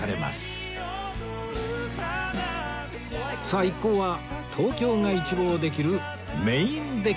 さあ一行は東京が一望できるメインデッキへ